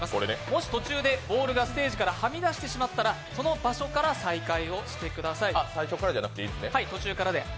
もし途中でボールがステージからはみ出してしまったらその場所から再開してください。